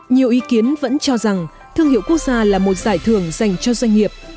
nhiều ý kiến vẫn cho rằng thương hiệu quốc gia là một giải thưởng dành cho doanh nghiệp